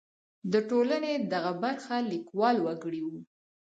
د ټولنې دغه برخه کلیوال وګړي وو.